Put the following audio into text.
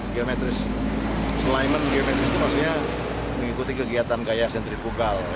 geometris alignment geometris itu maksudnya mengikuti kegiatan gaya sentrifugal